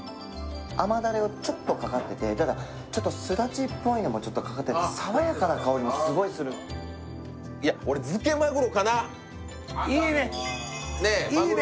甘ダレをちょっとかかっててただちょっとスダチっぽいのもちょっとかかってて爽やかな香りもすごいするいいねいいね